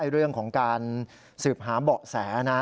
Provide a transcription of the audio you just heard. เรื่องของการสืบหาเบาะแสนะ